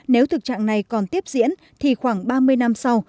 nếu thực trạng này còn tiếp diễn thì khoảng ba mươi năm sau